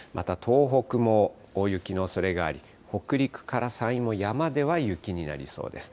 また東北も大雪のおそれがあり、北陸から山陰も山では雪になりそうです。